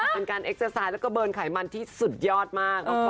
เป็นการเอ็กเตอร์ไซด์แล้วก็เบิร์นไขมันที่สุดยอดมาก